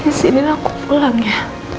disini aku pulang ya